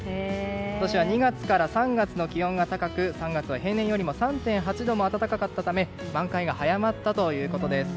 今年は２月から３月の気温が高く３月は平年より３．８度も暖かかったため満開が早まったということです。